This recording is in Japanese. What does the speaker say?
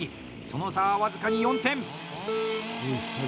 その差は僅かに４点！